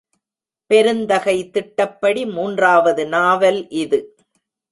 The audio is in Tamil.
பெருந்தகை திட்டப்படி மூன்றாவது நாவல் இது.